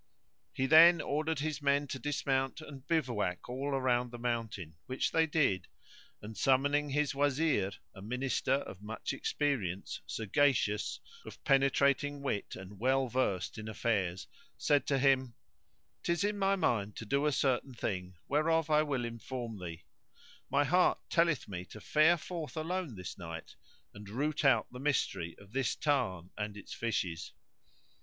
He then ordered his men to dismount and bivouac all around the mountain; which they did; and summoning his Wazir, a Minister of much experience, sagacious, of penetrating wit and well versed in affairs, said to him, "'Tis in my mind to do a certain thing whereof I will inform thee; my heart telleth me to fare forth alone this night and root out the mystery of this tarn and its fishes.